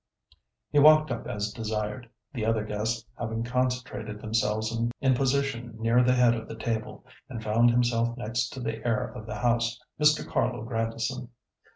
He walked up as desired, the other guests having concentrated themselves in position nearer the head of the table, and found himself next to the heir of the house, Mr. Carlo Grandison.